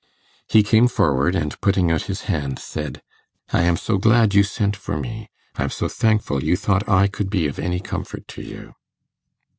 He came forward, and, putting out his hand, said, 'I am so glad you sent for me I am so thankful you thought I could be any comfort to you.